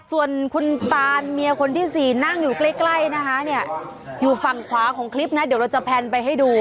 ส่วนคุณตานเมียคนที่๔นั่งอยู่ใกล้นะคะเนี่ยอยู่ฝั่งขวาของคลิปนะเดี๋ยวเราจะแพนไปให้ดู